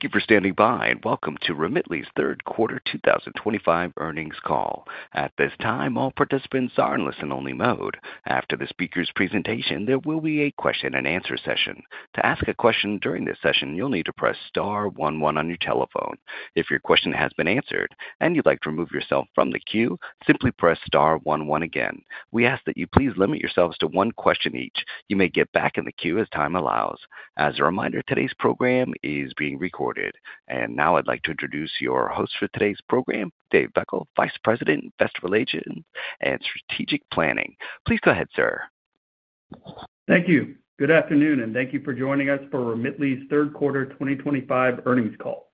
Thank you for standing by and welcome to Remitly's Third Quarter 2025 Earnings Call. At this time, all participants are in listen-only mode. After the speaker's presentation, there will be a question-and-answer session. To ask a question during this session, you'll need to press star one one on your telephone. If your question has been answered and you'd like to remove yourself from the queue, simply press star one one again. We ask that you please limit yourselves to one question each. You may get back in the queue as time allows. As a reminder, today's program is being recorded. Now I'd like to introduce your host for today's program, David Bickle, Vice President, Investor Relations and Strategic Planning. Please go ahead, sir. Thank you. Good afternoon, and thank you for joining us for Remitly's Third Quarter 2025 Earnings Call.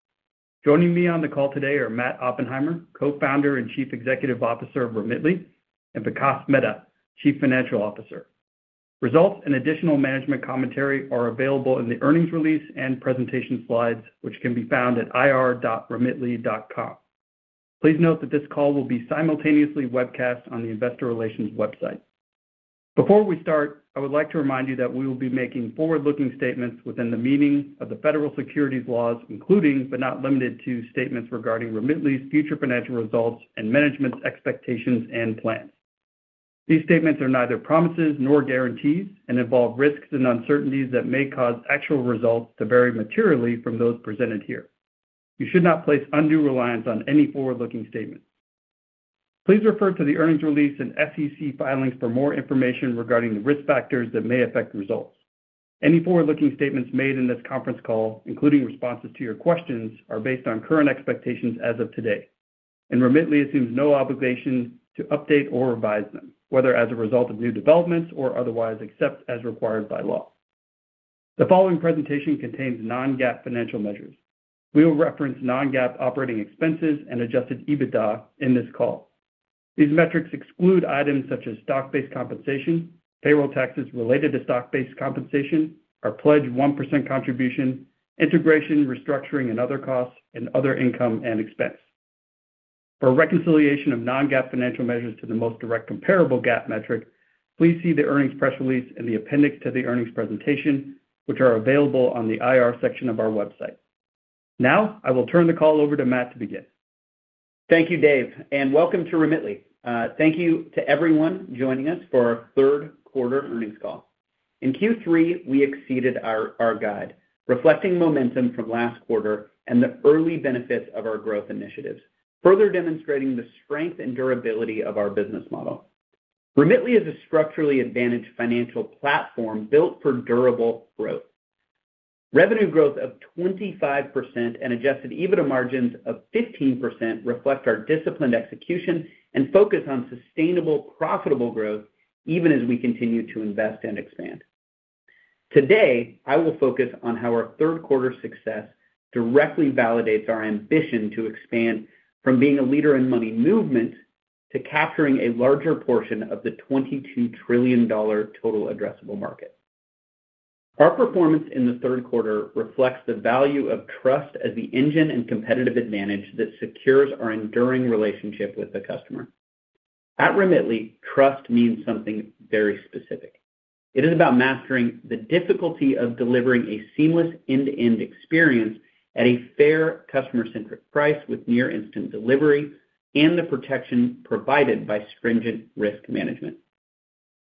Joining me on the call today are Matt Oppenheimer, Co-founder and Chief Executive Officer of Remitly, and Vikas Mehta, Chief Financial Officer. Results and additional management commentary are available in the earnings release and presentation slides, which can be found at ir.remitly.com. Please note that this call will be simultaneously webcast on the Investor Relations website. Before we start, I would like to remind you that we will be making forward-looking statements within the meaning of the federal securities laws, including but not limited to statements regarding Remitly's future financial results and management's expectations and plans. These statements are neither promises nor guarantees and involve risks and uncertainties that may cause actual results to vary materially from those presented here. You should not place undue reliance on any forward-looking statements. Please refer to the earnings release and FCC filings for more information regarding the risk factors that may affect results. Any forward-looking statements made in this conference call, including responses to your questions, are based on current expectations as of today, and Remitly assumes no obligation to update or revise them, whether as a result of new developments or otherwise, except as required by law. The following presentation contains non-GAAP financial measures. We will reference non-GAAP operating expenses and adjusted EBITDA in this call. These metrics exclude items such as stock-based compensation, payroll taxes related to stock-based compensation, our pledge 1% contribution, integration, restructuring, and other costs, and other income and expense. For reconciliation of non-GAAP financial measures to the most direct comparable GAAP metric, please see the earnings press release and the appendix to the earnings presentation, which are available on the IR section of our website. Now, I will turn the call over to Matt to begin. Thank you, Dave, and welcome to Remitly. Thank you to everyone joining us for our Third Quarter Earnings Call. In Q3, we exceeded our guide, reflecting momentum from last quarter and the early benefits of our growth initiatives, further demonstrating the strength and durability of our business model. Remitly is a structurally advantaged financial platform built for durable growth. Revenue growth of 25% and adjusted EBITDA margins of 15% reflect our disciplined execution and focus on sustainable, profitable growth, even as we continue to invest and expand. Today, I will focus on how our third quarter success directly validates our ambition to expand from being a leader in money movement to capturing a larger portion of the $22 trillion total addressable market. Our performance in the third quarter reflects the value of trust as the engine and competitive advantage that secures our enduring relationship with the customer. At Remitly, trust means something very specific. It is about mastering the difficulty of delivering a seamless end-to-end experience at a fair, customer-centric price with near-instant delivery and the protection provided by stringent risk management.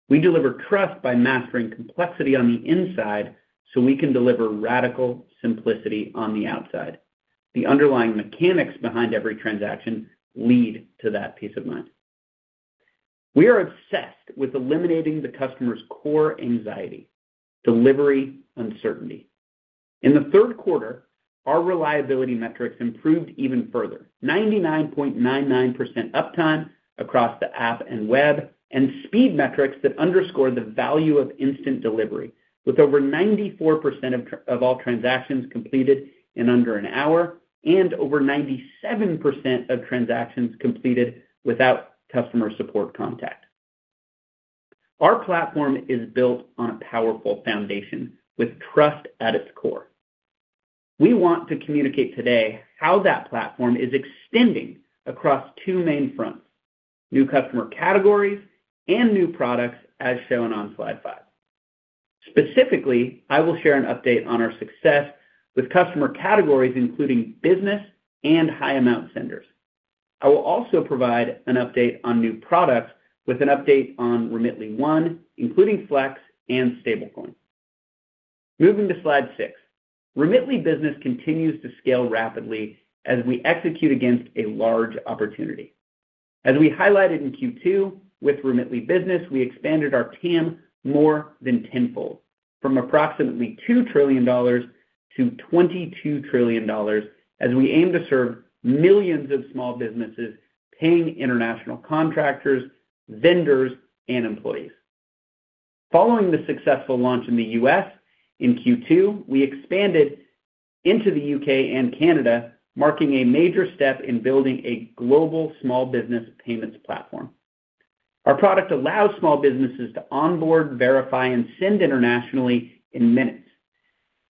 We deliver trust by mastering complexity on the inside so we can deliver radical simplicity on the outside. The underlying mechanics behind every transaction lead to that peace of mind. We are obsessed with eliminating the customer's core anxiety: delivery uncertainty. In the third quarter, our reliability metrics improved even further: 99.99% uptime across the app and web, and speed metrics that underscore the value of instant delivery, with over 94% of all transactions completed in under an hour and over 97% of transactions completed without customer support contact. Our platform is built on a powerful foundation with trust at its core. We want to communicate today how that platform is extending across two main fronts: new customer categories and new products, as shown on slide five. Specifically, I will share an update on our success with customer categories, including business and high-amount senders. I will also provide an update on new products with an update on Remitly One, including Flex and stablecoin. Moving to slide six, Remitly Business continues to scale rapidly as we execute against a large opportunity. As we highlighted in Q2, with Remitly Business, we expanded our TAM more than tenfold, from approximately $2 trillion-$22 trillion, as we aim to serve millions of small businesses paying international contractors, vendors, and employees. Following the successful launch in the U.S. in Q2, we expanded into the U.K. and Canada, marking a major step in building a global small business payments platform. Our product allows small businesses to onboard, verify, and send internationally in minutes,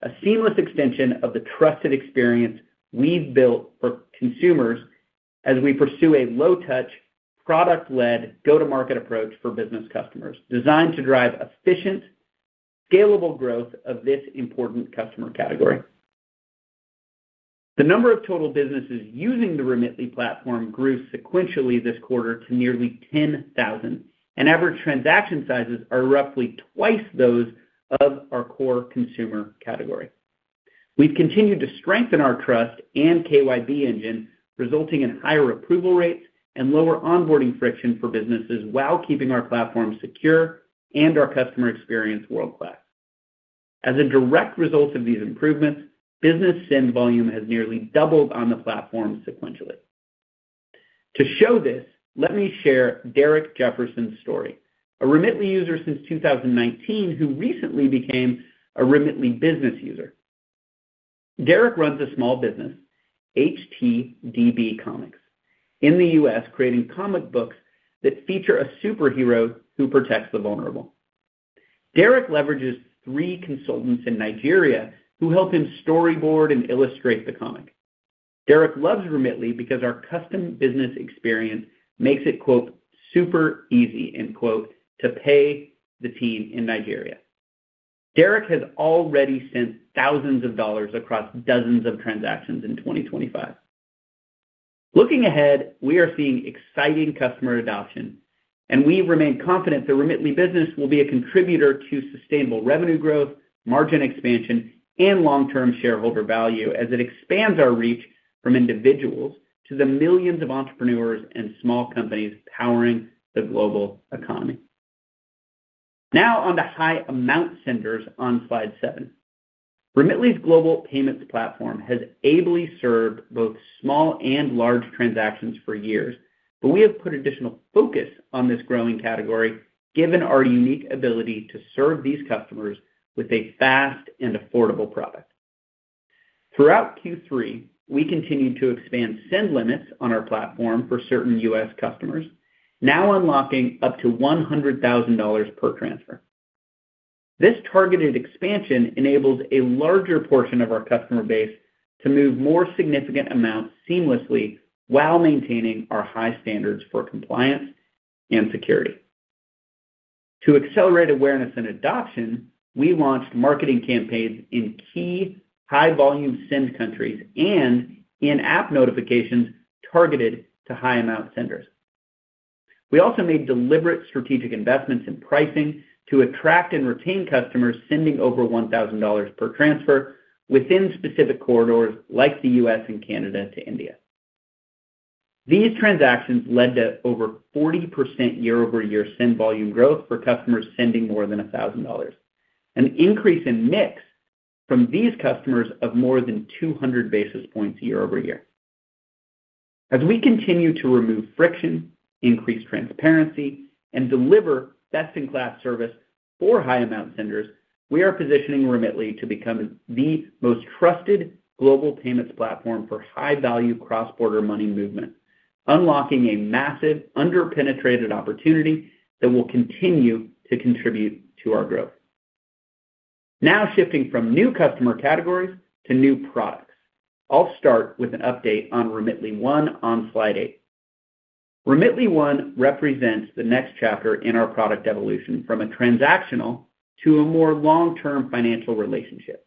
a seamless extension of the trusted experience we've built for consumers as we pursue a low-touch, product-led go-to-market approach for business customers designed to drive efficient, scalable growth of this important customer category. The number of total businesses using the Remitly platform grew sequentially this quarter to nearly 10,000, and average transaction sizes are roughly twice those of our core consumer category. We've continued to strengthen our trust and KYB engine, resulting in higher approval rates and lower onboarding friction for businesses while keeping our platform secure and our customer experience world-class. As a direct result of these improvements, business send volume has nearly doubled on the platform sequentially. To show this, let me share Derek Jefferson's story, a Remitly user since 2019 who recently became a Remitly Business user. Derek runs a small business. HTDB Comics, in the U.S., creating comic books that feature a superhero who protects the vulnerable. Derek leverages three consultants in Nigeria who help him storyboard and illustrate the comic. Derek loves Remitly because our custom business experience makes it "super easy" to pay the team in Nigeria. Derek has already sent thousands of dollars across dozens of transactions in 2025. Looking ahead, we are seeing exciting customer adoption, and we remain confident the Remitly Business will be a contributor to sustainable revenue growth, margin expansion, and long-term shareholder value as it expands our reach from individuals to the millions of entrepreneurs and small companies powering the global economy. Now, on to high-amount senders on slide seven. Remitly's global payments platform has ably served both small and large transactions for years, but we have put additional focus on this growing category given our unique ability to serve these customers with a fast and affordable product. Throughout Q3, we continued to expand send limits on our platform for certain U.S. customers, now unlocking up to $100,000 per transfer. This targeted expansion enables a larger portion of our customer base to move more significant amounts seamlessly while maintaining our high standards for compliance and security. To accelerate awareness and adoption, we launched marketing campaigns in key high-volume send countries and in app notifications targeted to high-amount senders. We also made deliberate strategic investments in pricing to attract and retain customers sending over $1,000 per transfer within specific corridors like the U.S. and Canada to India. These transactions led to over 40% year-over-year send volume growth for customers sending more than $1,000, an increase in mix from these customers of more than 200 basis points year-over-year. As we continue to remove friction, increase transparency, and deliver best-in-class service for high-amount senders, we are positioning Remitly to become the most trusted global payments platform for high-value cross-border money movement, unlocking a massive under-penetrated opportunity that will continue to contribute to our growth. Now, shifting from new customer categories to new products, I'll start with an update on Remitly One on slide eight. Remitly One represents the next chapter in our product evolution from a transactional to a more long-term financial relationship.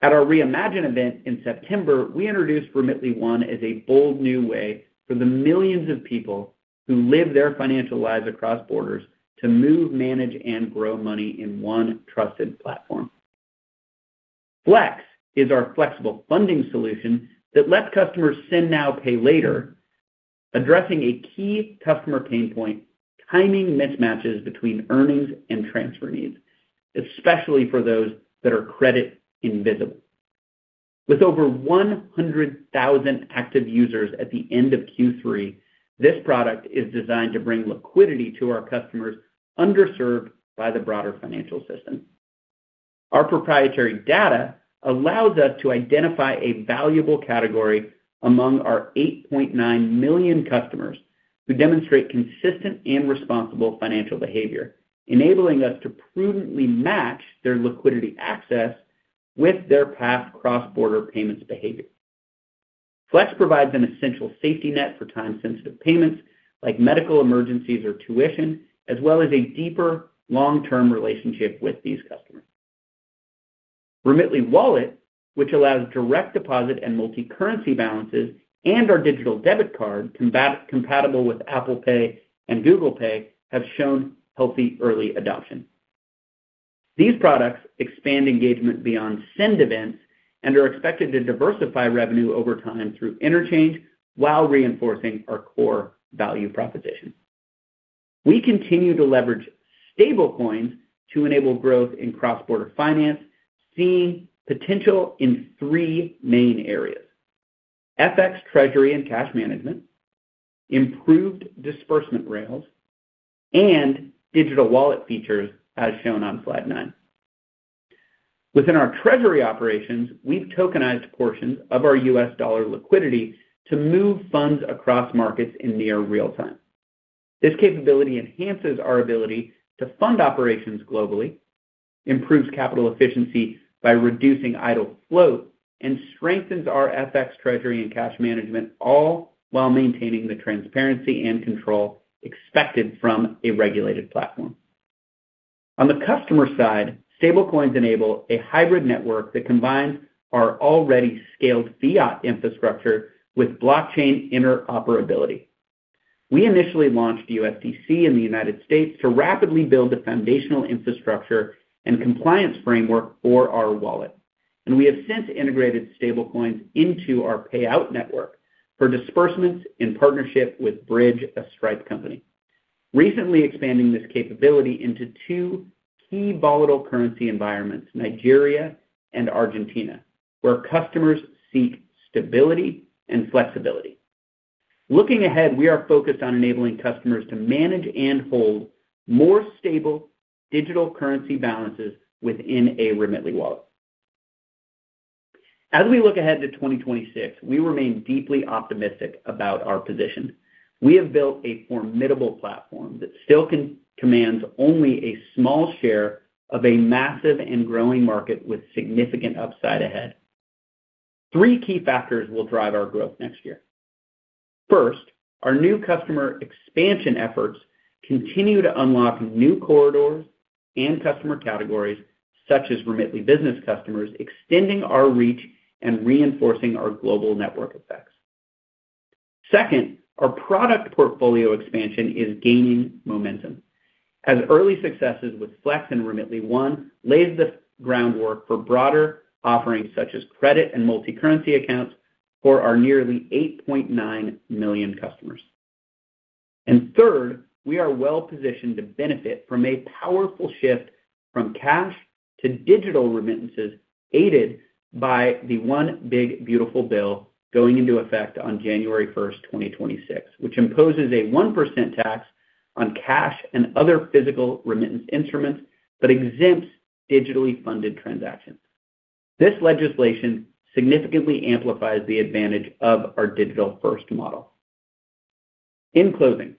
At our Reimagine event in September, we introduced Remitly One as a bold new way for the millions of people who live their financial lives across borders to move, manage, and grow money in one trusted platform. Flex is our flexible funding solution that lets customers send now, pay later, addressing a key customer pain point: timing mismatches between earnings and transfer needs, especially for those that are credit-invisible. With over 100,000 active users at the end of Q3, this product is designed to bring liquidity to our customers underserved by the broader financial system. Our proprietary data allows us to identify a valuable category among our 8.9 million customers who demonstrate consistent and responsible financial behavior, enabling us to prudently match their liquidity access with their past cross-border payments behavior. Flex provides an essential safety net for time-sensitive payments like medical emergencies or tuition, as well as a deeper long-term relationship with these customers. Remitly Wallet, which allows direct deposit and multi-currency balances, and our digital debit card compatible with Apple Pay and Google Pay, have shown healthy early adoption. These products expand engagement beyond send events and are expected to diversify revenue over time through interchange while reinforcing our core value proposition. We continue to leverage stablecoins to enable growth in cross-border finance, seeing potential in three main areas: FX, treasury, and cash management. Improved disbursement rails and digital wallet features, as shown on slide nine. Within our treasury operations, we have tokenized portions of our U.S. dollar liquidity to move funds across markets in near real time. This capability enhances our ability to fund operations globally, improves capital efficiency by reducing idle float, and strengthens our FX, treasury, and cash management, all while maintaining the transparency and control expected from a regulated platform. On the customer side, stablecoins enable a hybrid network that combines our already scaled fiat infrastructure with blockchain interoperability. We initially launched USDC in the United States to rapidly build a foundational infrastructure and compliance framework for our wallet, and we have since integrated stablecoins into our payout network for disbursements in partnership with Bridge, a Stripe company. Recently, expanding this capability into two key volatile currency environments, Nigeria and Argentina, where customers seek stability and flexibility. Looking ahead, we are focused on enabling customers to manage and hold more stable digital currency balances within a Remitly wallet. As we look ahead to 2026, we remain deeply optimistic about our position. We have built a formidable platform that still commands only a small share of a massive and growing market with significant upside ahead. Three key factors will drive our growth next year. First, our new customer expansion efforts continue to unlock new corridors and customer categories such as Remitly Business customers, extending our reach and reinforcing our global network effects. Second, our product portfolio expansion is gaining momentum as early successes with Flex and Remitly One laid the groundwork for broader offerings such as credit and multi-currency accounts for our nearly 8.9 million customers. Third, we are well positioned to benefit from a powerful shift from cash to digital remittances aided by the One Big Beautiful Bill going into effect on January 1st, 2026, which imposes a 1% tax on cash and other physical remittance instruments but exempts digitally funded transactions. This legislation significantly amplifies the advantage of our digital-first model. In closing,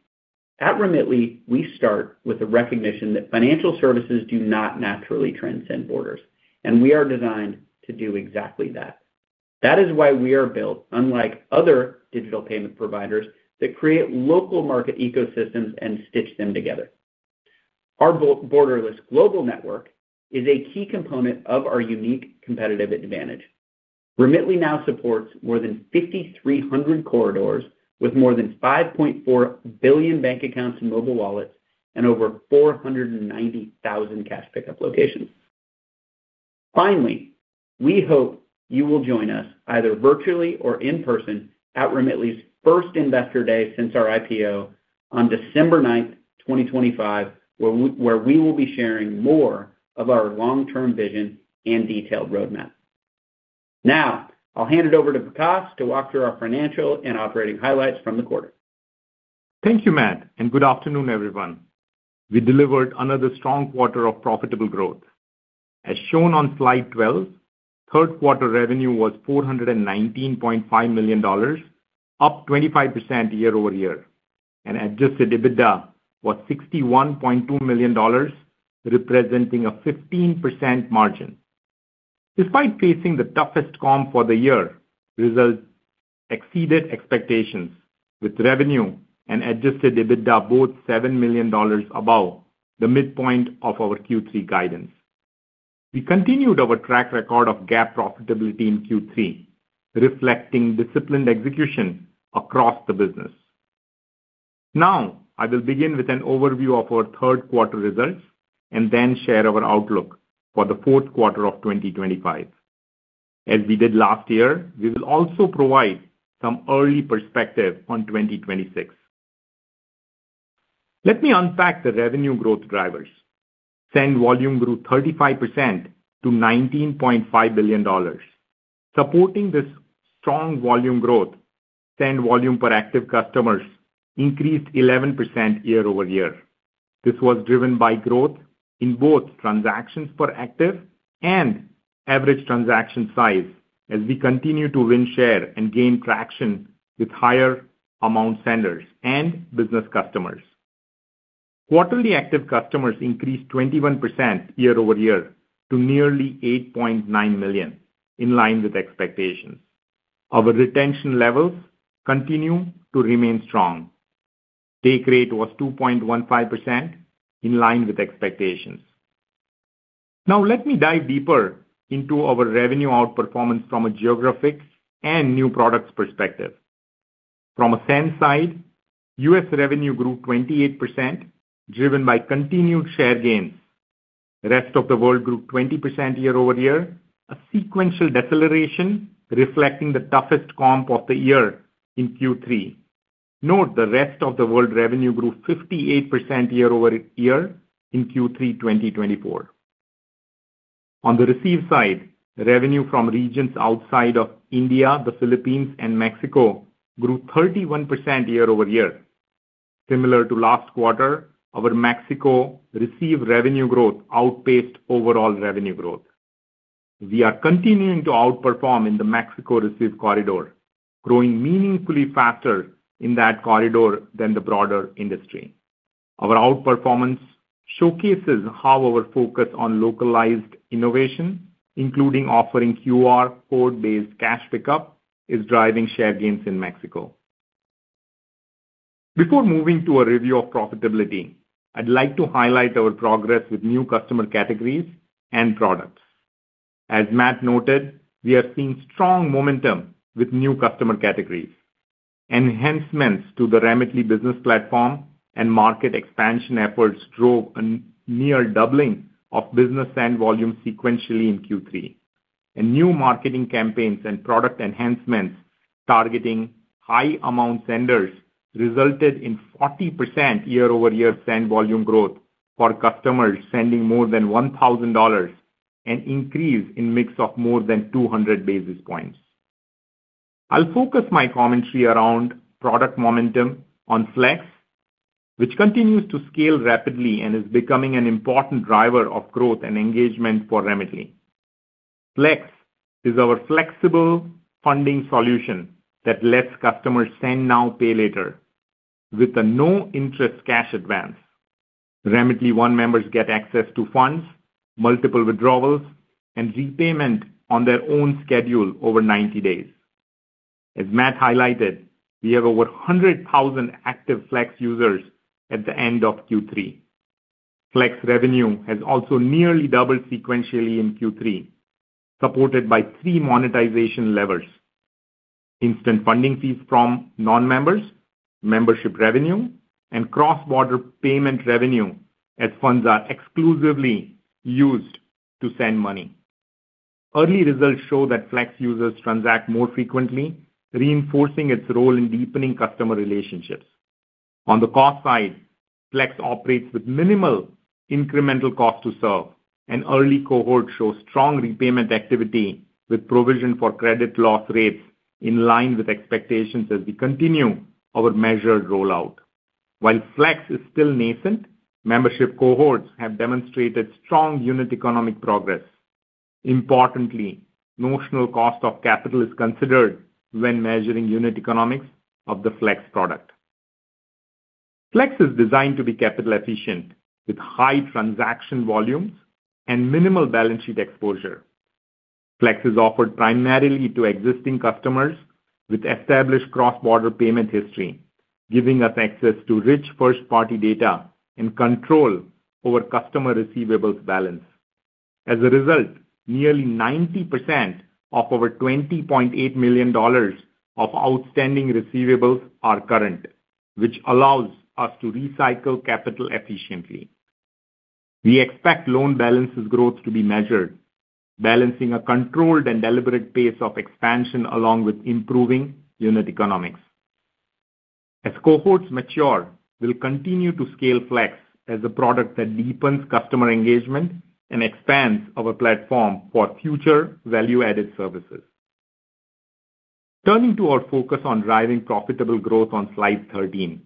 at Remitly, we start with the recognition that financial services do not naturally transcend borders, and we are designed to do exactly that. That is why we are built, unlike other digital payment providers, that create local market ecosystems and stitch them together. Our borderless global network is a key component of our unique competitive advantage. Remitly now supports more than 5,300 corridors with more than 5.4 billion bank accounts and mobile wallets and over 490,000 cash pickup locations. Finally, we hope you will join us either virtually or in person at Remitly's first Investor Day since our IPO on December 9, 2025, where we will be sharing more of our long-term vision and detailed roadmap. Now, I'll hand it over to Vikas to walk through our financial and operating highlights from the quarter. Thank you, Matt, and good afternoon, everyone. We delivered another strong quarter of profitable growth. As shown on slide 12, third quarter revenue was $419.5 million, up 25% year-over-year, and adjusted EBITDA was $61.2 million, representing a 15% margin. Despite facing the toughest comp for the year, results exceeded expectations, with revenue and adjusted EBITDA both $7 million above the midpoint of our Q3 guidance. We continued our track record of GAAP profitability in Q3, reflecting disciplined execution across the business. Now, I will begin with an overview of our third quarter results and then share our outlook for the fourth quarter of 2025. As we did last year, we will also provide some early perspective on 2026. Let me unpack the revenue growth drivers. Send volume grew 35% to $19.5 billion. Supporting this strong volume growth, send volume per active customers increased 11% year-over-year. This was driven by growth in both transactions per active and average transaction size as we continue to win share and gain traction with higher amount senders and business customers. Quarterly active customers increased 21% year-over-year to nearly 8.9 million, in line with expectations. Our retention levels continue to remain strong. Day rate was 2.15%, in line with expectations. Now, let me dive deeper into our revenue outperformance from a geographic and new products perspective. From a send side, U.S. revenue grew 28%, driven by continued share gains. Rest of the world grew 20% year-over-year, a sequential deceleration reflecting the toughest comp of the year in Q3. Note, the rest of the world revenue grew 58% year-over-year in Q3 2024. On the receive side, revenue from regions outside of India, the Philippines, and Mexico grew 31% year-over-year. Similar to last quarter, our Mexico receive revenue growth outpaced overall revenue growth. We are continuing to outperform in the Mexico receive corridor, growing meaningfully faster in that corridor than the broader industry. Our outperformance showcases how our focus on localized innovation, including offering QR code-based cash pickup, is driving share gains in Mexico. Before moving to a review of profitability, I'd like to highlight our progress with new customer categories and products. As Matt noted, we are seeing strong momentum with new customer categories. Enhancements to the Remitly Business platform and market expansion efforts drove a near doubling of business send volume sequentially in Q3. New marketing campaigns and product enhancements targeting high-amount senders resulted in 40% year-over-year send volume growth for customers sending more than $1,000, an increase in mix of more than 200 basis points. I'll focus my commentary around product momentum on Flex, which continues to scale rapidly and is becoming an important driver of growth and engagement for Remitly. Flex is our flexible funding solution that lets customers send now, pay later, with a no-interest cash advance. Remitly One members get access to funds, multiple withdrawals, and repayment on their own schedule over 90 days. As Matt highlighted, we have over 100,000 active Flex users at the end of Q3. Flex revenue has also nearly doubled sequentially in Q3, supported by three monetization levers. Instant funding fees from non-members, membership revenue, and cross-border payment revenue as funds are exclusively used to send money. Early results show that Flex users transact more frequently, reinforcing its role in deepening customer relationships. On the cost side, Flex operates with minimal incremental cost to serve, and early cohorts show strong repayment activity with provision for credit loss rates in line with expectations as we continue our measured rollout. While Flex is still nascent, membership cohorts have demonstrated strong unit economic progress. Importantly, notional cost of capital is considered when measuring unit economics of the Flex product. Flex is designed to be capital efficient with high transaction volumes and minimal balance sheet exposure. Flex is offered primarily to existing customers with established cross-border payment history, giving us access to rich first-party data and control over customer receivables balance. As a result, nearly 90% of over $20.8 million of outstanding receivables are current, which allows us to recycle capital efficiently. We expect loan balances growth to be measured, balancing a controlled and deliberate pace of expansion along with improving unit economics. As cohorts mature, we'll continue to scale Flex as a product that deepens customer engagement and expands our platform for future value-added services. Turning to our focus on driving profitable growth on slide 13.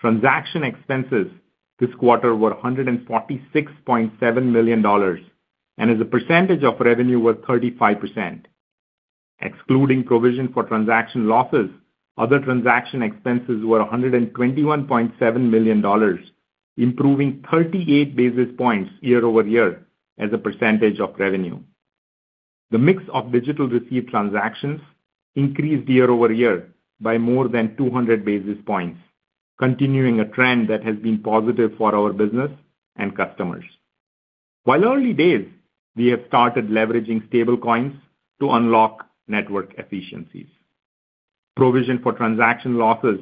Transaction expenses this quarter were $146.7 million. As a percentage of revenue were 35%. Excluding provision for transaction losses, other transaction expenses were $121.7 million, improving 38 basis points year-over-year as a percentage of revenue. The mix of digital receive transactions increased year-over-year by more than 200 basis points, continuing a trend that has been positive for our business and customers. While early days, we have started leveraging stablecoins to unlock network efficiencies. Provision for transaction losses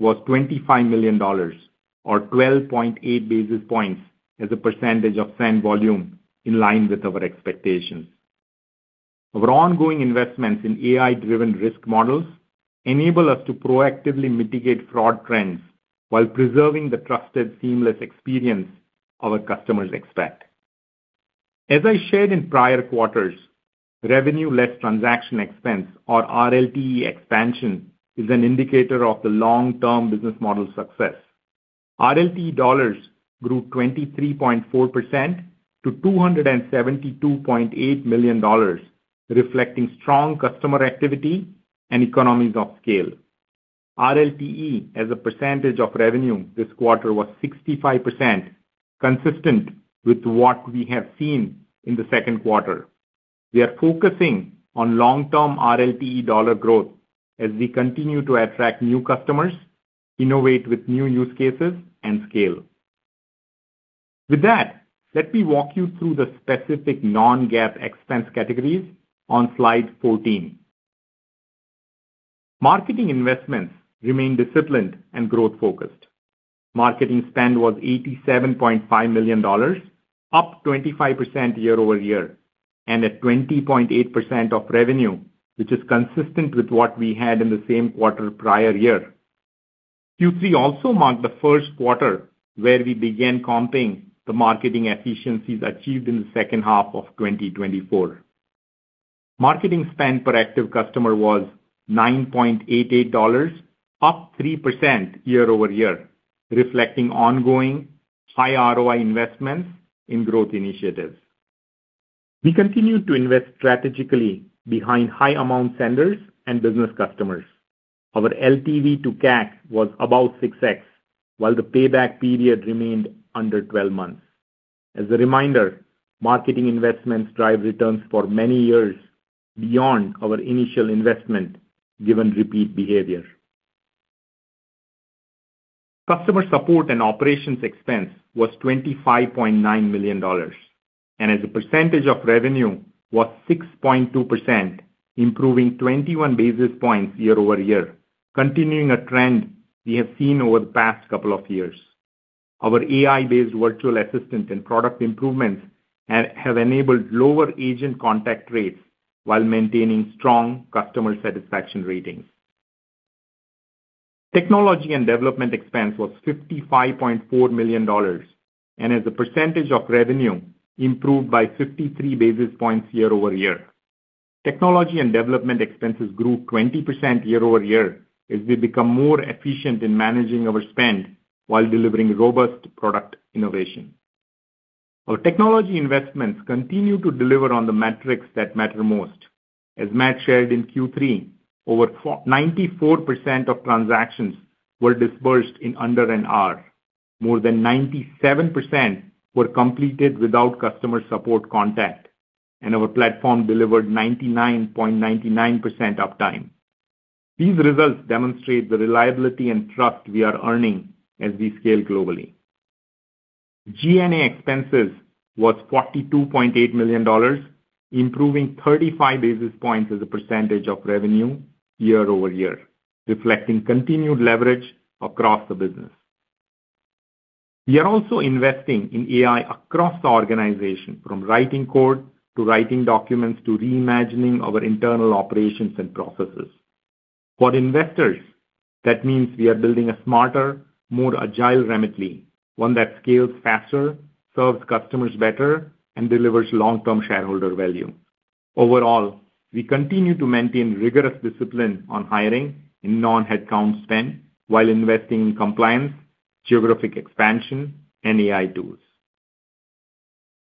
was $25 million, or 12.8 basis points as a percentage of send volume, in line with our expectations. Our ongoing investments in AI-driven risk models enable us to proactively mitigate fraud trends while preserving the trusted seamless experience our customers expect. As I shared in prior quarters, revenue-less transaction expense, or RLTE expansion, is an indicator of the long-term business model success. RLTE dollars grew 23.4% to $272.8 million, reflecting strong customer activity and economies of scale. RLTE, as a percentage of revenue this quarter, was 65%. Consistent with what we have seen in the second quarter. We are focusing on long-term RLTE dollar growth as we continue to attract new customers, innovate with new use cases, and scale. With that, let me walk you through the specific non-GAAP expense categories on slide 14. Marketing investments remain disciplined and growth-focused. Marketing spend was $87.5 million, up 25% year-over-year, and at 20.8% of revenue, which is consistent with what we had in the same quarter prior year. Q3 also marked the first quarter where we began comping the marketing efficiencies achieved in the second half of 2024. Marketing spend per active customer was $9.88, up 3% year-over-year, reflecting ongoing high ROI investments in growth initiatives. We continue to invest strategically behind high-amount senders and business customers. Our LTV to CAC was about 6x, while the payback period remained under 12 months. As a reminder, marketing investments drive returns for many years beyond our initial investment, given repeat behavior. Customer support and operations expense was $25.9 million, and as a percentage of revenue was 6.2%, improving 21 basis points year-over-year, continuing a trend we have seen over the past couple of years. Our AI-based virtual assistant and product improvements have enabled lower agent contact rates while maintaining strong customer satisfaction ratings. Technology and development expense was $55.4 million, and as a percentage of revenue, improved by 53 basis points year-over-year. Technology and development expenses grew 20% year-over-year as we become more efficient in managing our spend while delivering robust product innovation. Our technology investments continue to deliver on the metrics that matter most. As Matt shared in Q3, over 94% of transactions were disbursed in under an hour. More than 97% were completed without customer support contact, and our platform delivered 99.99% uptime. These results demonstrate the reliability and trust we are earning as we scale globally. G&A expenses was $42.8 million, improving 35 basis points as a percentage of revenue year-over-year, reflecting continued leverage across the business. We are also investing in AI across the organization, from writing code to writing documents to reimagining our internal operations and processes. For investors, that means we are building a smarter, more agile Remitly, one that scales faster, serves customers better, and delivers long-term shareholder value. Overall, we continue to maintain rigorous discipline on hiring and non-headcount spend while investing in compliance, geographic expansion, and AI tools.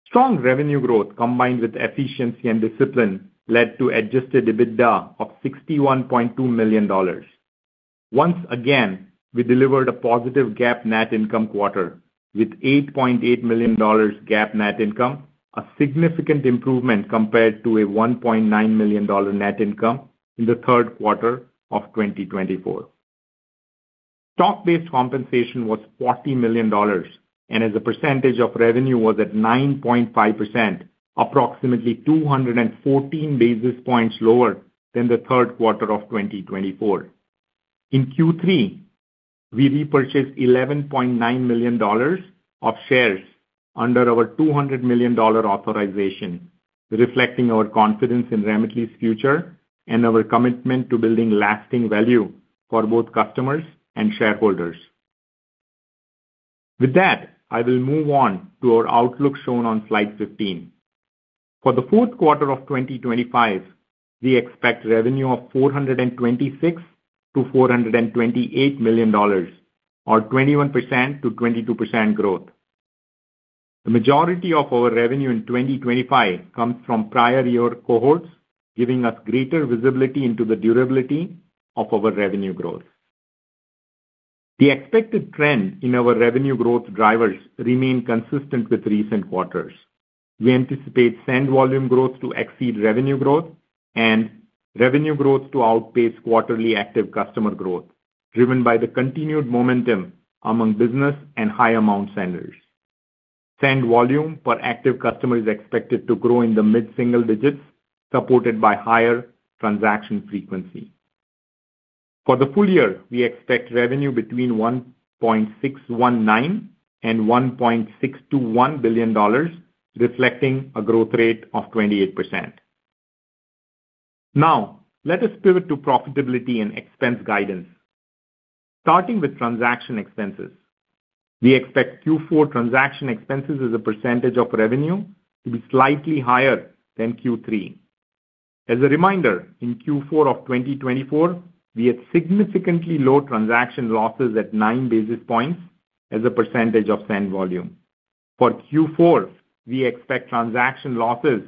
Strong revenue growth combined with efficiency and discipline led to adjusted EBITDA of $61.2 million. Once again, we delivered a positive GAAP net income quarter, with $8.8 million GAAP net income, a significant improvement compared to a $1.9 million net income in the third quarter of 2024. Stock-based compensation was $40 million, and as a percentage of revenue was at 9.5%, approximately 214 basis points lower than the third quarter of 2024. In Q3, we repurchased $11.9 million of shares under our $200 million authorization, reflecting our confidence in Remitly's future and our commitment to building lasting value for both customers and shareholders. With that, I will move on to our outlook shown on slide 15. For the fourth quarter of 2025, we expect revenue of $426-$428 million, or 21%-22% growth. The majority of our revenue in 2025 comes from prior year cohorts, giving us greater visibility into the durability of our revenue growth. The expected trend in our revenue growth drivers remains consistent with recent quarters. We anticipate send volume growth to exceed revenue growth and revenue growth to outpace quarterly active customer growth, driven by the continued momentum among business and high-amount senders. Send volume per active customer is expected to grow in the mid-single digits, supported by higher transaction frequency. For the full year, we expect revenue between $1.619 and $1.621 billion, reflecting a growth rate of 28%. Now, let us pivot to profitability and expense guidance. Starting with transaction expenses, we expect Q4 transaction expenses as a percentage of revenue to be slightly higher than Q3. As a reminder, in Q4 of 2024, we had significantly low transaction losses at 9 basis points as a percentage of send volume. For Q4, we expect transaction losses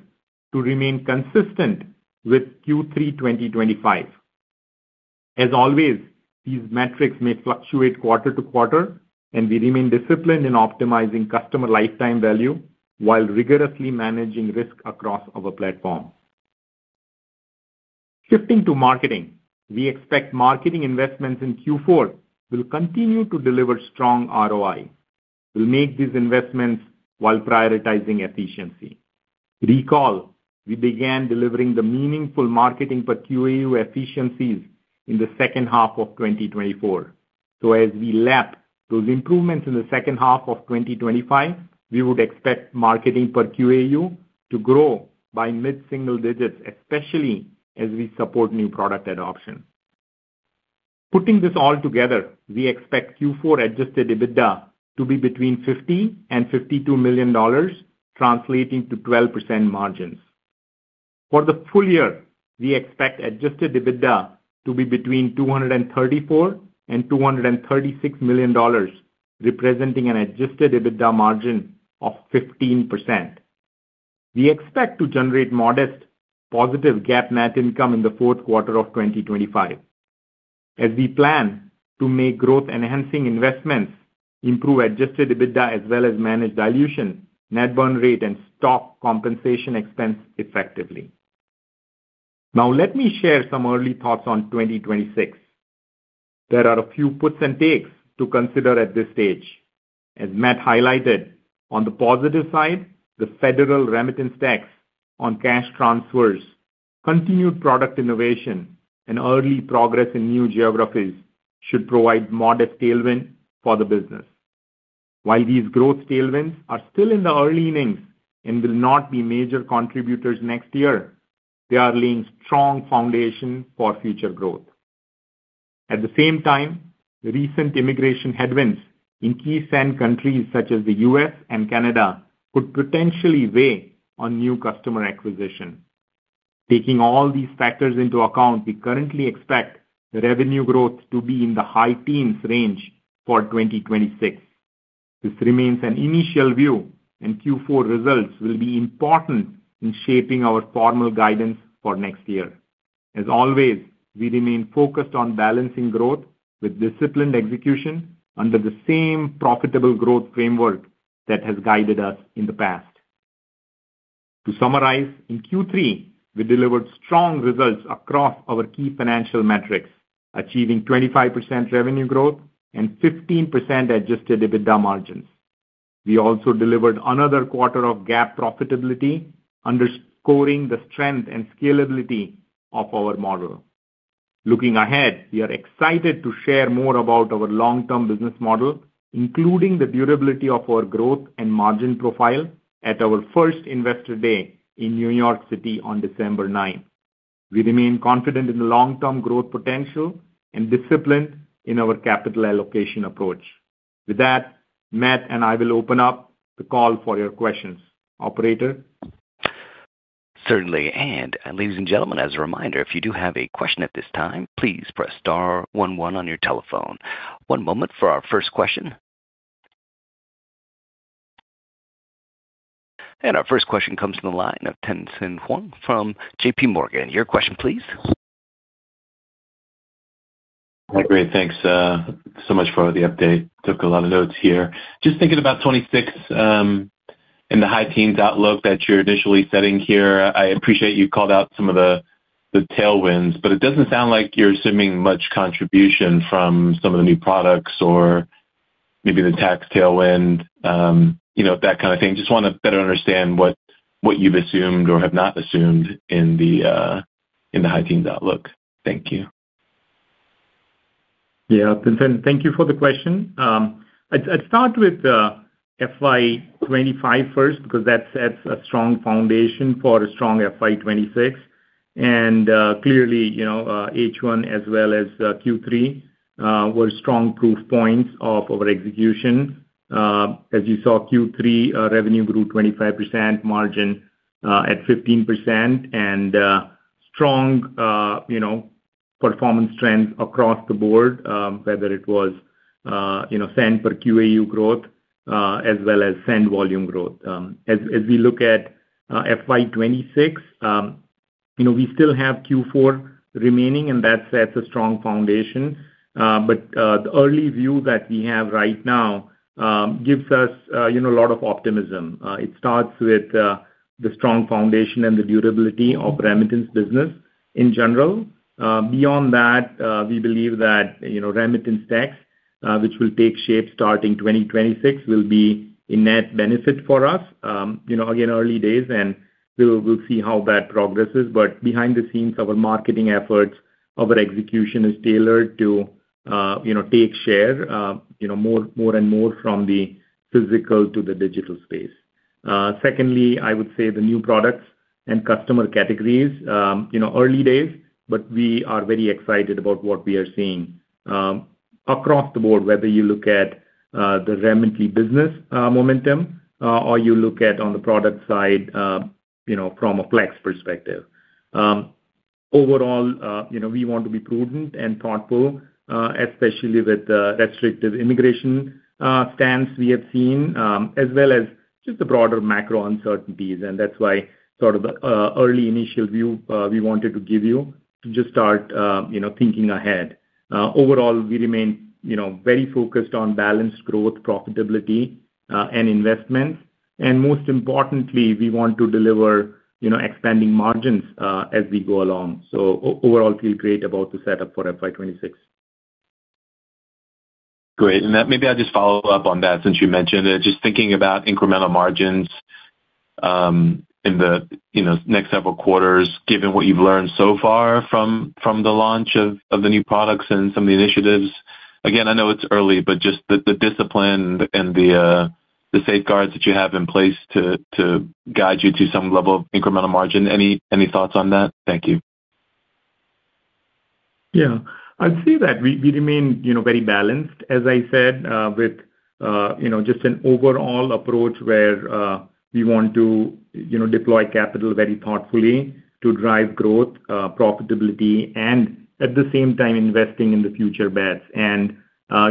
to remain consistent with Q3 2025. As always, these metrics may fluctuate quarter to quarter, and we remain disciplined in optimizing customer lifetime value while rigorously managing risk across our platform. Shifting to marketing, we expect marketing investments in Q4 will continue to deliver strong ROI. We'll make these investments while prioritizing efficiency. Recall, we began delivering the meaningful marketing per QAU efficiencies in the second half of 2024. As we lap those improvements in the second half of 2025, we would expect marketing per QAU to grow by mid-single digits, especially as we support new product adoption. Putting this all together, we expect Q4 adjusted EBITDA to be between $5 and $52 million, translating to 12% margins. For the full year, we expect adjusted EBITDA to be between $234 and $236 million, representing an adjusted EBITDA margin of 15%. We expect to generate modest positive GAAP net income in the fourth quarter of 2025. As we plan to make growth-enhancing investments, improve adjusted EBITDA as well as manage dilution, net burn rate, and stock compensation expense effectively. Now, let me share some early thoughts on 2026. There are a few puts and takes to consider at this stage. As Matt highlighted, on the positive side, the federal remittance tax on cash transfers, continued product innovation, and early progress in new geographies should provide modest tailwind for the business. While these growth tailwinds are still in the early innings and will not be major contributors next year, they are laying strong foundation for future growth. At the same time, recent immigration headwinds in key send countries such as the U.S. and Canada could potentially weigh on new customer acquisition. Taking all these factors into account, we currently expect revenue growth to be in the high teens range for 2026. This remains an initial view, and Q4 results will be important in shaping our formal guidance for next year. As always, we remain focused on balancing growth with disciplined execution under the same profitable growth framework that has guided us in the past. To summarize, in Q3, we delivered strong results across our key financial metrics, achieving 25% revenue growth and 15% adjusted EBITDA margins. We also delivered another quarter of GAAP profitability, underscoring the strength and scalability of our model. Looking ahead, we are excited to share more about our long-term business model, including the durability of our growth and margin profile at our first Investor Day in New York City on December 9, 2025. We remain confident in the long-term growth potential and disciplined in our capital allocation approach. With that, Matt and I will open up the call for your questions. Operator. Certainly. Ladies and gentlemen, as a reminder, if you do have a question at this time, please press star one one on your telephone. One moment for our first question. Our first question comes from the line of Tien-Tsin Huang from JP Morgan. Your question, please. Hi, great. Thanks so much for the update. Took a lot of notes here. Just thinking about 2026. In the high teens outlook that you're initially setting here, I appreciate you called out some of the tailwinds, but it doesn't sound like you're assuming much contribution from some of the new products or maybe the tax tailwind, that kind of thing. Just want to better understand what you've assumed or have not assumed in the high teens outlook. Thank you. Yeah, thank you for the question. I'd start with FY2025 first because that sets a strong foundation for a strong FY2026. And clearly, H1 as well as Q3 were strong proof points of our execution. As you saw, Q3 revenue grew 25%, margin at 15%, and strong performance trends across the board, whether it was send per QAU growth as well as send volume growth. As we look at FY2026, we still have Q4 remaining, and that sets a strong foundation. The early view that we have right now gives us a lot of optimism. It starts with the strong foundation and the durability of remittance business in general. Beyond that, we believe that remittance tax, which will take shape starting 2026, will be a net benefit for us. Again, early days, and we'll see how that progresses. Behind the scenes, our marketing efforts, our execution is tailored to take share more and more from the physical to the digital space. Secondly, I would say the new products and customer categories. Early days, but we are very excited about what we are seeing. Across the board, whether you look at the Remitly Business momentum or you look at on the product side from a Flex perspective. Overall, we want to be prudent and thoughtful, especially with the restrictive immigration stance we have seen, as well as just the broader macro uncertainties. That is why sort of the early initial view we wanted to give you to just start thinking ahead. Overall, we remain very focused on balanced growth, profitability, and investments. Most importantly, we want to deliver. Expanding margins as we go along. Overall, feel great about the setup for FY26. Great. Maybe I'll just follow up on that since you mentioned it. Just thinking about incremental margins. In the next several quarters, given what you've learned so far from the launch of the new products and some of the initiatives. Again, I know it's early, but just the discipline and the safeguards that you have in place to guide you to some level of incremental margin. Any thoughts on that? Thank you. Yeah. I'd say that we remain very balanced, as I said, with just an overall approach where we want to deploy capital very thoughtfully to drive growth, profitability, and at the same time, investing in the future bets.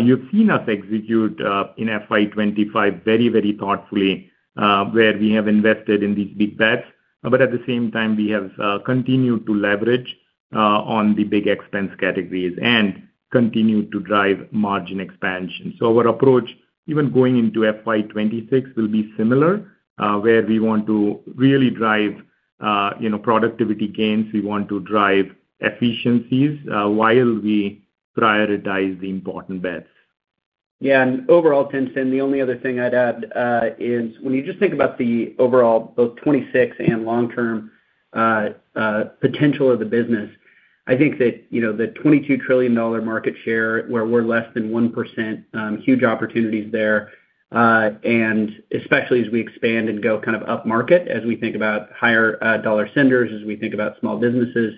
You've seen us execute in FY2025 very, very thoughtfully where we have invested in these big bets. At the same time, we have continued to leverage on the big expense categories and continued to drive margin expansion. Our approach, even going into FY2026, will be similar where we want to really drive productivity gains. We want to drive efficiencies while we prioritize the important bets. Yeah. Overall, Tencent, the only other thing I'd add is when you just think about the overall both 2026 and long-term potential of the business, I think that the $22 trillion market share where we're less than 1%, huge opportunities there. Especially as we expand and go kind of up market, as we think about higher dollar senders, as we think about small businesses,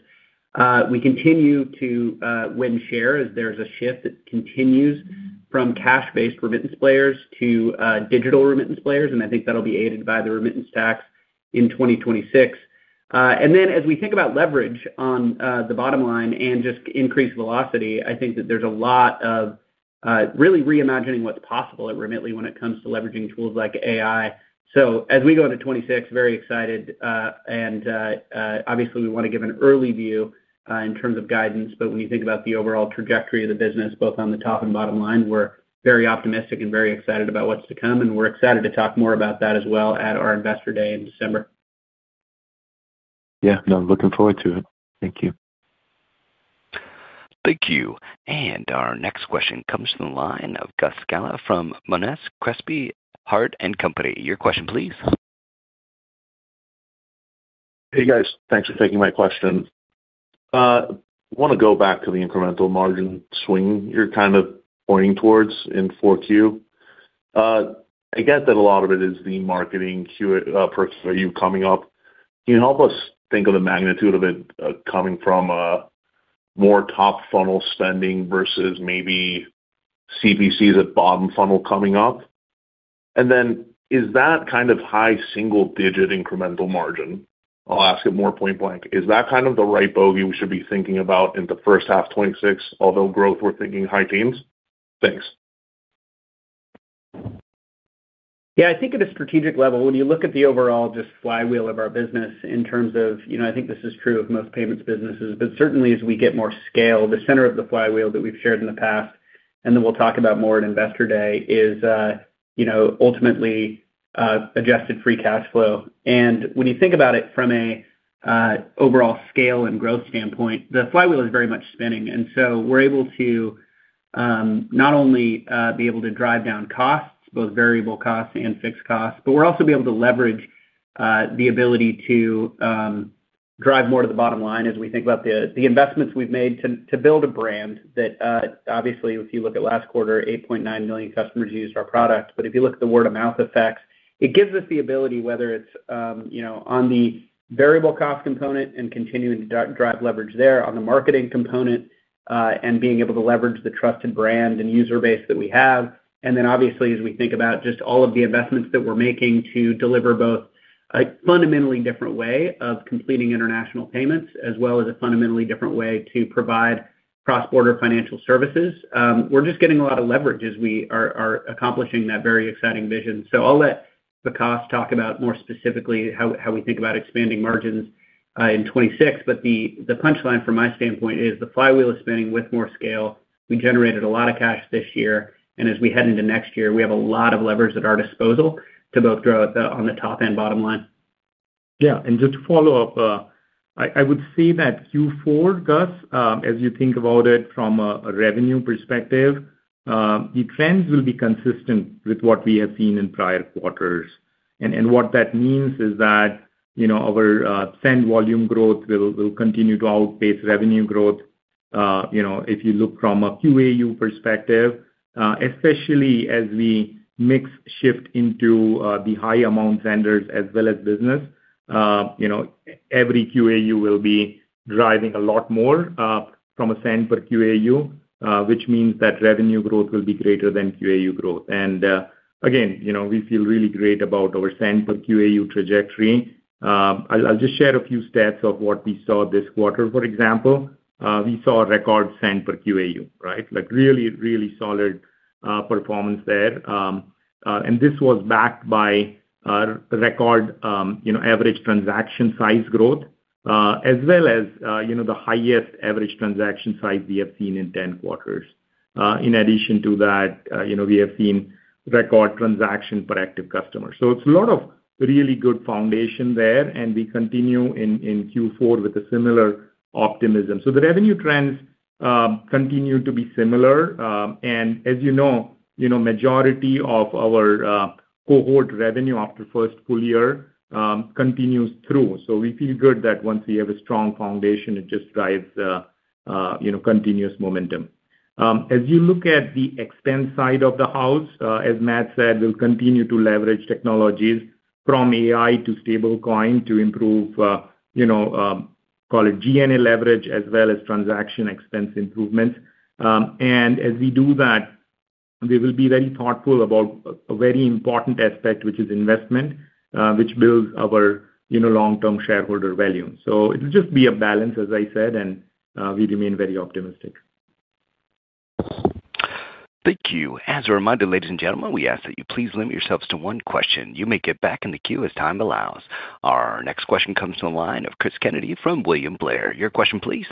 we continue to win share as there's a shift that continues from cash-based remittance players to digital remittance players. I think that'll be aided by the remittance tax in 2026. As we think about leverage on the bottom line and just increased velocity, I think that there's a lot of really reimagining what's possible at Remitly when it comes to leveraging tools like AI. As we go into 2026, very excited. Obviously, we want to give an early view in terms of guidance. When you think about the overall trajectory of the business, both on the top and bottom line, we're very optimistic and very excited about what's to come. We're excited to talk more about that as well at our Investor Day in December. Yeah. No, looking forward to it. Thank you. Thank you. Our next question comes from the line of Gus Galá from Monness, Crespi, Hardt & Co. Your question, please. Hey, guys. Thanks for taking my question. I want to go back to the incremental margin swing you're kind of pointing towards in 4Q. I get that a lot of it is the marketing. Are you coming up? Can you help us think of the magnitude of it coming from more top funnel spending versus maybe CPCs at bottom funnel coming up? And then is that kind of high single-digit incremental margin? I'll ask it more point blank. Is that kind of the right bogey we should be thinking about in the first half of 2026, although growth we're thinking high teens? Thanks. Yeah. I think at a strategic level, when you look at the overall just flywheel of our business in terms of, I think this is true of most payments businesses, but certainly as we get more scale, the center of the flywheel that we've shared in the past, and then we'll talk about more at investor day, is ultimately adjusted free cash flow. When you think about it from an overall scale and growth standpoint, the flywheel is very much spinning. We are able to not only be able to drive down costs, both variable costs and fixed costs, but we are also able to leverage the ability to drive more to the bottom line as we think about the investments we've made to build a brand that obviously, if you look at last quarter, 8.9 million customers used our product. If you look at the word-of-mouth effects, it gives us the ability, whether it's on the variable cost component and continuing to drive leverage there on the marketing component and being able to leverage the trusted brand and user base that we have. Obviously, as we think about just all of the investments that we're making to deliver both a fundamentally different way of completing international payments as well as a fundamentally different way to provide cross-border financial services, we're just getting a lot of leverage as we are accomplishing that very exciting vision. I'll let Vikas talk about more specifically how we think about expanding margins in 2026. The punchline from my standpoint is the flywheel is spinning with more scale. We generated a lot of cash this year. As we head into next year, we have a lot of levers at our disposal to both grow on the top and bottom line. Yeah. Just to follow up, I would say that Q4, Gus, as you think about it from a revenue perspective, the trends will be consistent with what we have seen in prior quarters. What that means is that our send volume growth will continue to outpace revenue growth. If you look from a QAU perspective, especially as we mix shift into the high-amount vendors as well as business, every QAU will be driving a lot more from a send per QAU, which means that revenue growth will be greater than QAU growth. Again, we feel really great about our send per QAU trajectory. I'll just share a few stats of what we saw this quarter. For example, we saw a record send per QAU, right? Really, really solid performance there. This was backed by record average transaction size growth as well as the highest average transaction size we have seen in 10 quarters. In addition to that, we have seen record transactions per active customer. It is a lot of really good foundation there. We continue in Q4 with similar optimism. The revenue trends continue to be similar. As you know, majority of our cohort revenue after first full year continues through. We feel good that once we have a strong foundation, it just drives continuous momentum. As you look at the expense side of the house, as Matt said, we will continue to leverage technologies from AI to stablecoin to improve, call it GNA leverage as well as transaction expense improvements. As we do that. We will be very thoughtful about a very important aspect, which is investment, which builds our long-term shareholder value. It will just be a balance, as I said, and we remain very optimistic. Thank you. As a reminder, ladies and gentlemen, we ask that you please limit yourselves to one question. You may get back in the queue as time allows. Our next question comes from the line of Cris Kennedy from William Blair. Your question, please.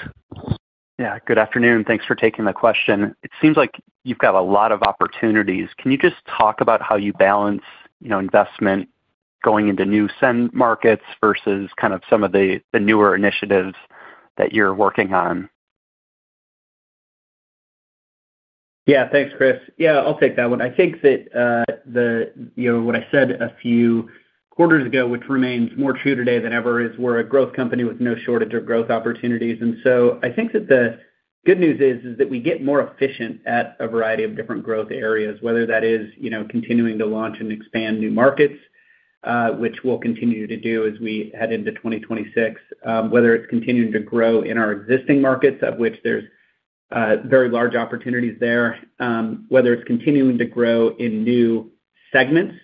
Yeah. Good afternoon. Thanks for taking the question. It seems like you have got a lot of opportunities. Can you just talk about how you balance investment going into new send markets versus kind of some of the newer initiatives that you are working on? Yeah. Thanks, Cris. Yeah, I will take that one. I think that. What I said a few quarters ago, which remains more true today than ever, is we're a growth company with no shortage of growth opportunities. I think that the good news is that we get more efficient at a variety of different growth areas, whether that is continuing to launch and expand new markets, which we'll continue to do as we head into 2026, whether it's continuing to grow in our existing markets, of which there's very large opportunities there, whether it's continuing to grow in new segments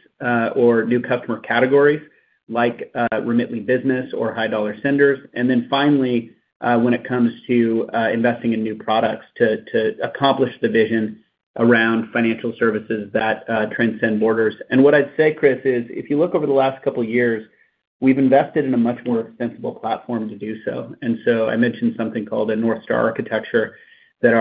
or new customer categories like Remitly Business or high-dollar senders. Finally, when it comes to investing in new products to accomplish the vision around financial services that transcend borders. What I'd say, Cris, is if you look over the last couple of years, we've invested in a much more extensible platform to do so. I mentioned something called a North Star Architecture that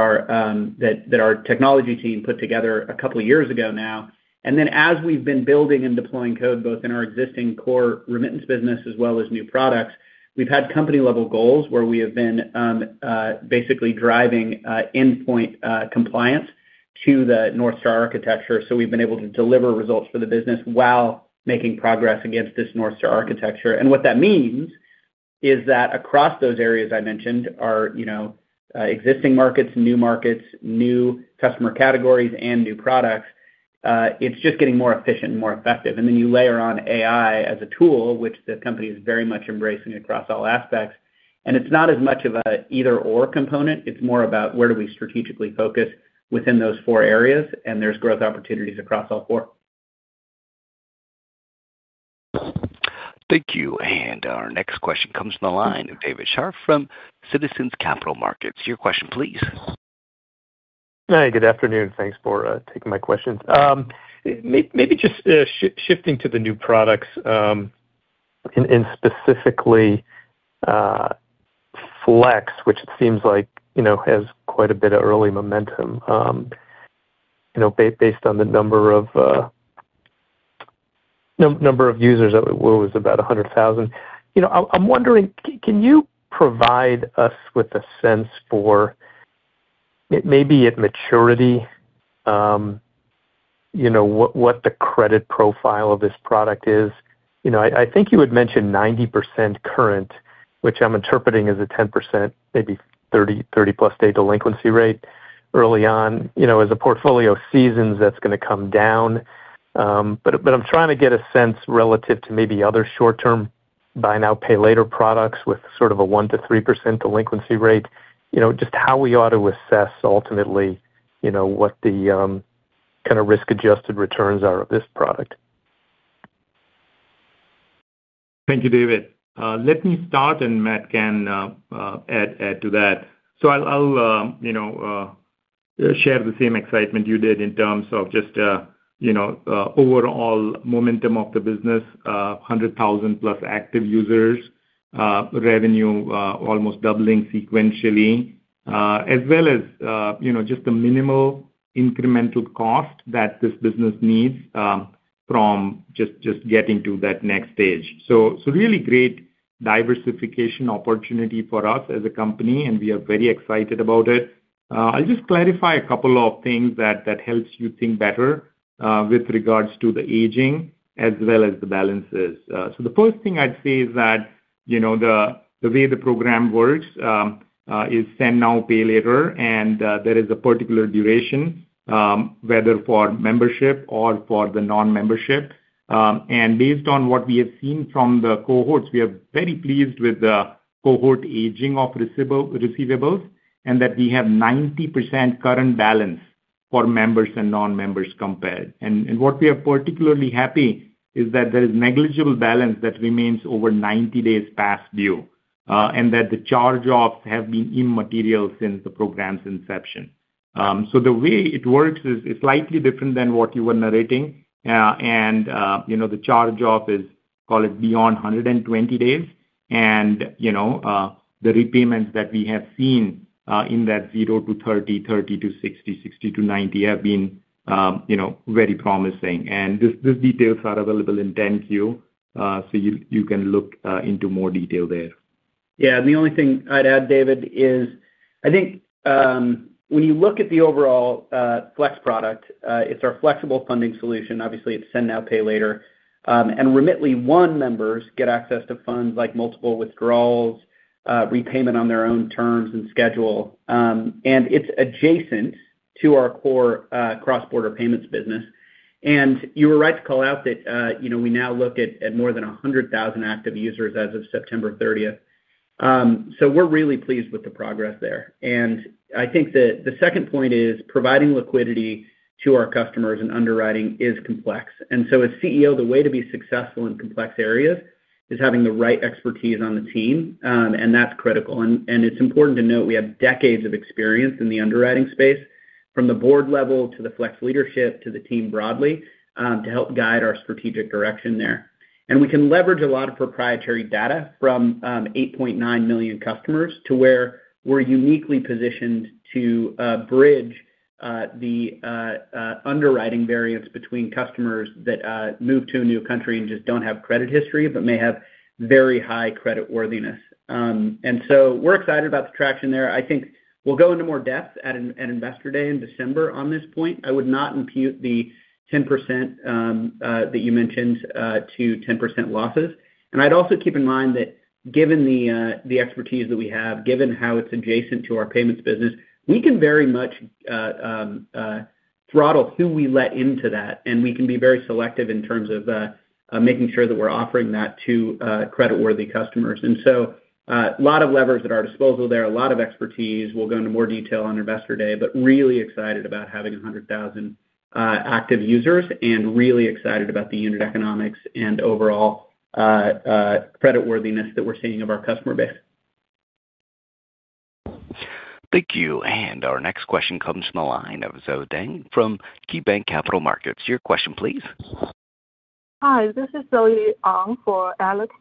our technology team put together a couple of years ago now. As we've been building and deploying code both in our existing core remittance business as well as new products, we've had company-level goals where we have been basically driving endpoint compliance to the North Star Architecture. We've been able to deliver results for the business while making progress against this North Star Architecture. What that means is that across those areas I mentioned—existing markets, new markets, new customer categories, and new products—it's just getting more efficient and more effective. You layer on AI as a tool, which the company is very much embracing across all aspects. It's not as much of an either/or component. It's more about where do we strategically focus within those four areas, and there's growth opportunities across all four. Thank you. Our next question comes from the line of David Scharf from Citizens Capital Markets. Your question, please. Hi. Good afternoon. Thanks for taking my questions. Maybe just shifting to the new products. And specifically, Flex, which it seems like has quite a bit of early momentum. Based on the number of users, it was about 100,000. I'm wondering, can you provide us with a sense for maybe at maturity what the credit profile of this product is? I think you had mentioned 90% current, which I'm interpreting as a 10%, maybe 30-plus-day delinquency rate early on. As a portfolio seasons, that's going to come down. I'm trying to get a sense relative to maybe other short-term buy-now-pay-later products with sort of a 1-3% delinquency rate, just how we ought to assess ultimately what the kind of risk-adjusted returns are of this product. Thank you, David. Let me start, and Matt can add to that. I'll share the same excitement you did in terms of just overall momentum of the business, 100,000-plus active users, revenue almost doubling sequentially, as well as just the minimal incremental cost that this business needs from just getting to that next stage. Really great diversification opportunity for us as a company, and we are very excited about it. I'll just clarify a couple of things that help you think better with regards to the aging as well as the balances. The first thing I'd say is that the way the program works. Is send now, pay later, and there is a particular duration. Whether for membership or for the non-membership. And based on what we have seen from the cohorts, we are very pleased with the cohort aging of receivables and that we have 90% current balance for members and non-members compared. And what we are particularly happy is that there is negligible balance that remains over 90 days past due, and that the charge-offs have been immaterial since the program's inception. The way it works is slightly different than what you were narrating. The charge-off is, call it, beyond 120 days. The repayments that we have seen in that 0-30, 30-60, 60-90 have been very promising. These details are available in 10Q, so you can look into more detail there. Yeah. The only thing I'd add, David, is I think. When you look at the overall Flex product, it's our flexible funding solution. Obviously, it's send now, pay later. Remitly One members get access to funds like multiple withdrawals, repayment on their own terms, and schedule. It's adjacent to our core cross-border payments business. You were right to call out that we now look at more than 100,000 active users as of September 30, 2023. We're really pleased with the progress there. I think the second point is providing liquidity to our customers and underwriting is complex. As CEO, the way to be successful in complex areas is having the right expertise on the team, and that's critical. It's important to note we have decades of experience in the underwriting space from the board level to the Flex leadership to the team broadly to help guide our strategic direction there. We can leverage a lot of proprietary data from 8.9 million customers to where we're uniquely positioned to bridge the underwriting variance between customers that move to a new country and just don't have credit history but may have very high credit worthiness. We're excited about the traction there. I think we'll go into more depth at investor day in December on this point. I would not impute the 10% that you mentioned to 10% losses. I'd also keep in mind that given the expertise that we have, given how it's adjacent to our payments business, we can very much throttle who we let into that, and we can be very selective in terms of making sure that we're offering that to credit-worthy customers. A lot of levers at our disposal there, a lot of expertise. We'll go into more detail on Investor Day, but really excited about having 100,000 active users and really excited about the unit economics and overall credit worthiness that we're seeing of our customer base. Thank you. Our next question comes from the line of Zoe Deng from KeyBanc Capital Markets. Your question, please. Hi. This is Zheqian for Alex.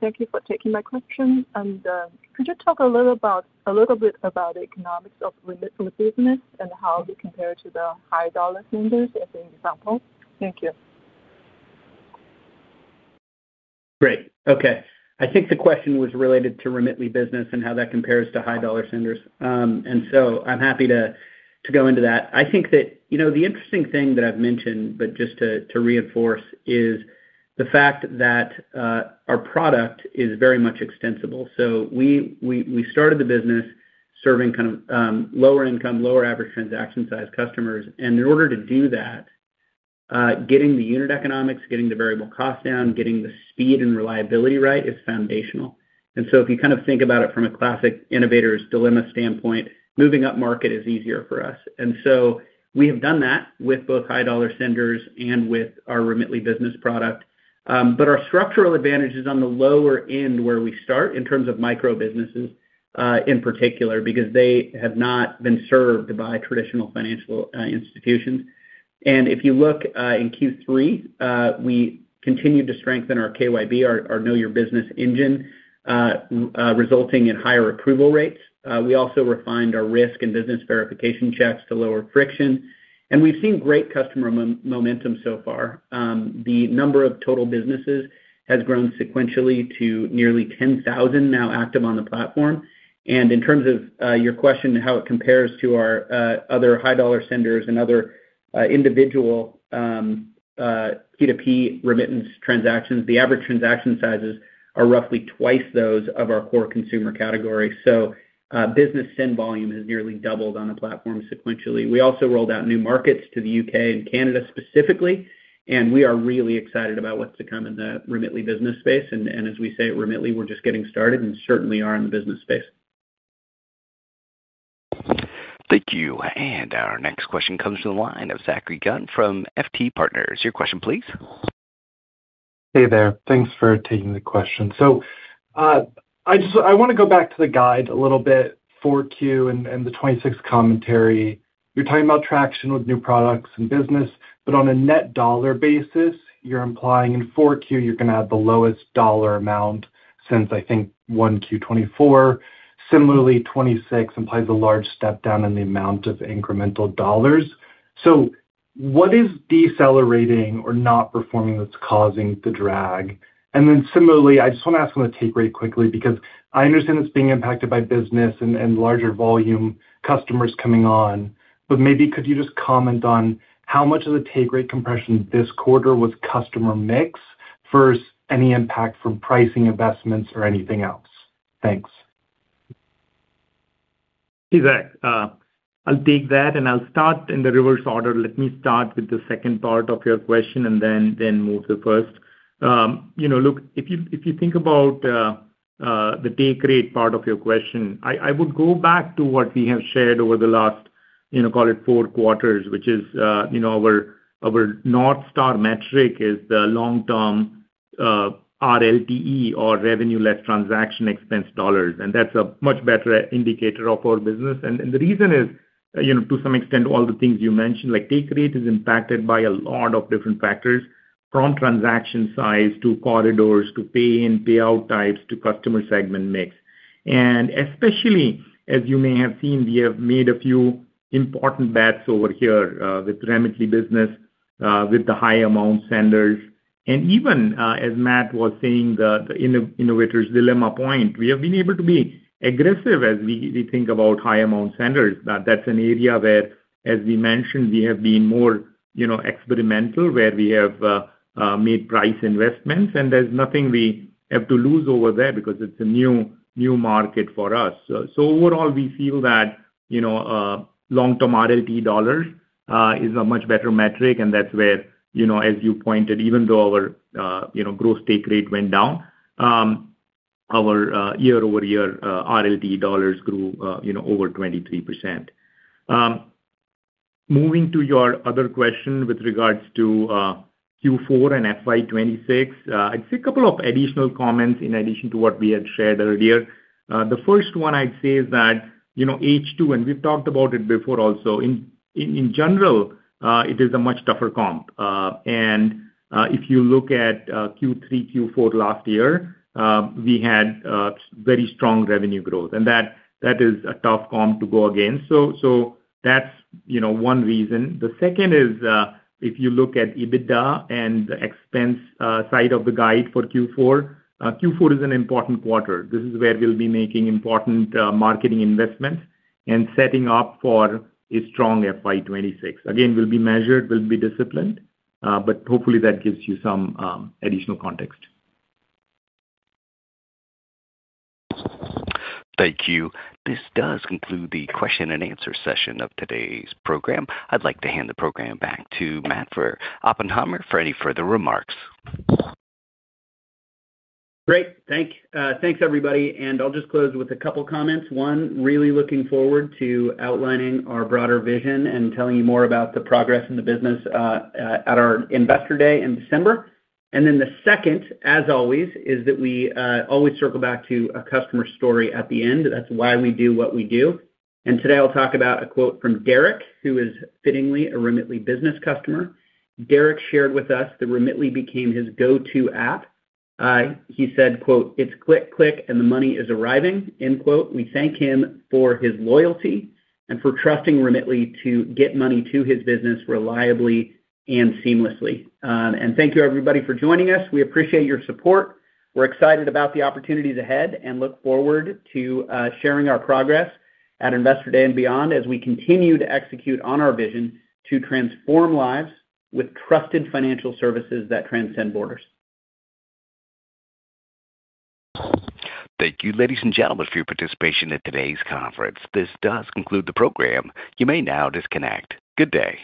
Thank you for taking my question. Could you talk a little bit about the economics of Remitly Business and how we compare to the high-dollar senders as an example? Thank you. Great. Okay. I think the question was related to Remitly Business and how that compares to high-dollar senders. I'm happy to go into that. I think that the interesting thing that I've mentioned, but just to reinforce, is the fact that our product is very much extensible. We started the business serving kind of lower-income, lower-average transaction size customers. In order to do that, getting the unit economics, getting the variable cost down, getting the speed and reliability right is foundational. If you kind of think about it from a classic innovator's dilemma standpoint, moving up market is easier for us. We have done that with both high-dollar senders and with our Remitly Business product. Our structural advantage is on the lower end where we start in terms of micro businesses in particular because they have not been served by traditional financial institutions. If you look in Q3, we continued to strengthen our KYB, our Know Your Business engine, resulting in higher approval rates. We also refined our risk and business verification checks to lower friction. We have seen great customer momentum so far. The number of total businesses has grown sequentially to nearly 10,000 now active on the platform. In terms of your question to how it compares to our other high-dollar senders and other individual P2P remittance transactions, the average transaction sizes are roughly twice those of our core consumer category. Business send volume has nearly doubled on the platform sequentially. We also rolled out new markets to the U.K. and Canada specifically, and we are really excited about what's to come in the Remitly Business space. As we say at Remitly, we're just getting started and certainly are in the business space. Thank you. Our next question comes from the line of Zachary Gunn from FT Partners. Your question, please. Hey there. Thanks for taking the question. I want to go back to the guide a little bit, 4Q and the 2026 commentary. You're talking about traction with new products and business, but on a net dollar basis, you're implying in Q4 you're going to have the lowest dollar amount since, I think, Q1 2024. Similarly, 2026 implies a large step down in the amount of incremental dollars. What is decelerating or not performing that's causing the drag? Similarly, I just want to ask on the take rate quickly because I understand it's being impacted by business and larger volume customers coming on. Maybe could you just comment on how much of the take rate compression this quarter was customer mix versus any impact from pricing investments or anything else? Thanks. Hey, Zach. I'll take that, and I'll start in the reverse order. Let me start with the second part of your question and then move to the first. Look, if you think about. The take rate part of your question, I would go back to what we have shared over the last, call it, four quarters, which is our North Star metric is the long-term RLTE, or revenue-led transaction expense dollars. That is a much better indicator of our business. The reason is, to some extent, all the things you mentioned, like take rate, is impacted by a lot of different factors from transaction size to corridors to pay-in payout types to customer segment mix. Especially, as you may have seen, we have made a few important bets over here with Remitly Business, with the high-amount senders. Even as Matt was saying in the innovator's dilemma point, we have been able to be aggressive as we think about high-amount senders. That is an area where, as we mentioned, we have been more experimental, where we have. Made price investments, and there's nothing we have to lose over there because it's a new market for us. Overall, we feel that long-term RLTE dollars is a much better metric, and that's where, as you pointed, even though our gross take rate went down, our year-over-year RLTE dollars grew over 23%. Moving to your other question with regards to Q4 and FY2026, I'd say a couple of additional comments in addition to what we had shared earlier. The first one I'd say is that H2, and we've talked about it before also, in general, it is a much tougher comp. If you look at Q3, Q4 last year, we had very strong revenue growth, and that is a tough comp to go against. That's one reason. The second is, if you look at EBITDA and the expense side of the guide for Q4, Q4 is an important quarter. This is where we'll be making important marketing investments and setting up for a strong FY26. Again, we'll be measured, we'll be disciplined, but hopefully, that gives you some additional context. Thank you. This does conclude the question and answer session of today's program. I'd like to hand the program back to Matt Oppenheimer for any further remarks. Great. Thanks, everybody. I'll just close with a couple of comments. One, really looking forward to outlining our broader vision and telling you more about the progress in the business at our Investor Day in December. The second, as always, is that we always circle back to a customer story at the end. That's why we do what we do. Today, I'll talk about a quote from Derek, who is fittingly a Remitly Business customer. Derek shared with us that Remitly became his go-to app. He said, "It's click, click, and the money is arriving." We thank him for his loyalty and for trusting Remitly to get money to his business reliably and seamlessly. Thank you, everybody, for joining us. We appreciate your support. We're excited about the opportunities ahead and look forward to sharing our progress at investor day and beyond as we continue to execute on our vision to transform lives with trusted financial services that transcend borders. Thank you, ladies and gentlemen, for your participation in today's conference. This does conclude the program. You may now disconnect. Good day.